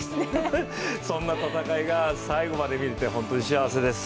そんな戦いが最後まで見られて、本当に幸せです。